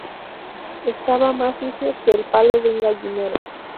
Estaba más sucio que el palo de un gallinero